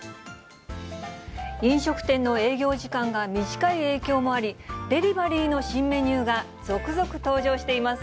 飲食店の営業時間が短い影響もあり、デリバリーの新メニューが続々登場しています。